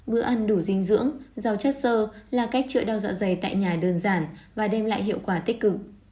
bữa ăn đủ dinh dưỡng rau chất sơ là cách chữa đau dạ dày tại nhà đơn giản và đem lại hiệu quả tích cực